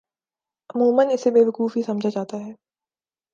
عموما اسے بیوقوف ہی سمجھا جاتا ہے۔